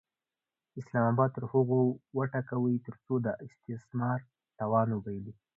اسلام اباد تر هغو وټکوئ ترڅو د استثمار توان وبایلي.